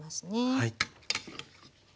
はい。